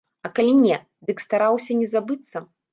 А калі не, дык стараўся не забыцца.